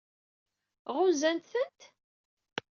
Ɣunzant-tent?